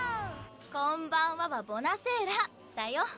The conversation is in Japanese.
「こんばんは」は「ボナセーラ」だよ。